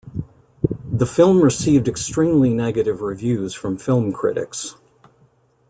The film received extremely negative reviews from film critics.